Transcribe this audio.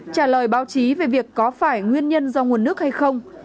trả lời báo chí về việc có phải nguyên nhân do nguồn nước hay không